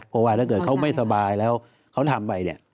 เพราะว่าถ้าเกิดเขาไม่สบายแล้วเขาทำไปเนี่ย